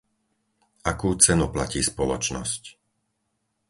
Akú cenu platí spoločnosť?